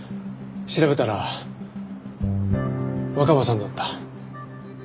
調べたら若葉さんだった。